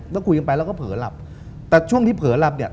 ก็คุยกันไปแล้วก็เผลอหลับแต่ช่วงที่เผลอหลับเนี่ย